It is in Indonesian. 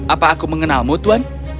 apa aku mengenalmu tuan